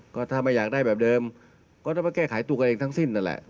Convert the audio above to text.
ก็ถ้าไม่อยากได้แบบเดิมก็ต้องมาแก้ไขตัวกันเองทั้งสิ้นนั่นแหละ